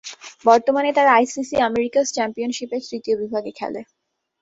বর্তমানে তারা ICC Americas চ্যাম্পিয়নশিপ-এর তৃতীয় বিভাগে খেলে।